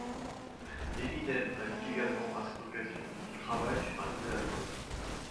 Eminem indique également à cette occasion qu'il travaille sur un nouvel album.